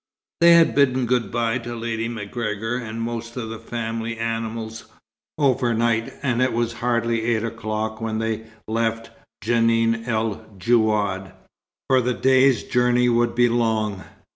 They had bidden good bye to Lady MacGregor, and most of the family animals, overnight, and it was hardly eight o'clock when they left Djenan el Djouad, for the day's journey would be long.